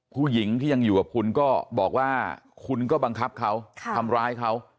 ผู้หญิงที่ยังอยู่กับคุณก็บอกว่าคุณก็บังคับเขาทำร้ายเขา